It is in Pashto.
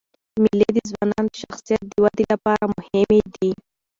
مېلې د ځوانانو د شخصیت د ودي له پاره مهمي دي.